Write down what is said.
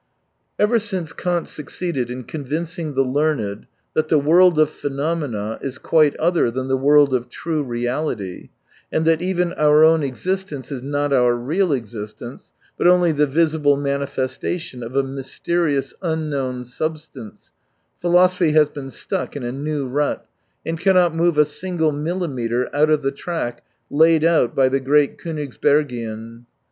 Ever since Kant succeeded in convincing the learned that the world of phenomena is quite other than the world of true reality, and that even our own existence is not our real existence, but only the visible mani festation of a mysterious, unknown sub stance (substantia) — philosophy has been stuck in a new rut, and cannot move a single millimetre out of the track laid out by the great Konigsbergian.